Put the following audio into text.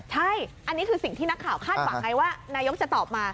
ใช่อันนี้คือสิ่งที่นักข่าวคาดหวังไงว่านายกจะตอบมา